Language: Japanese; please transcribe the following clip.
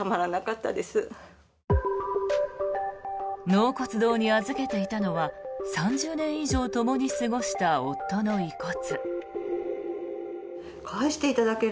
納骨堂に預けていたのは３０年以上ともに過ごした夫の遺骨。